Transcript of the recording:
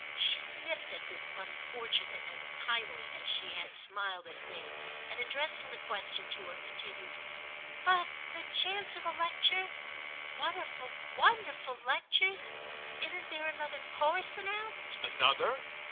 She sniffed at this unfortunate as kindly as she had smiled at me and, addressing the question to her, continued: "But the chance of a lecture—one of the wonderful lectures? Isn't there another course announced?" "Another?